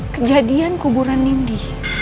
kejadian kuburan nindi